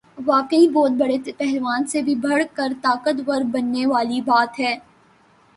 ہ واقعی بہت بڑے پہلوان سے بھی بڑھ کر طاقت ور بننے والی بات ہے۔